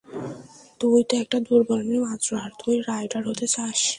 তুই তো একটা দূর্বল মেয়ে মাত্র, আর তুই রাইডার হতে চাস?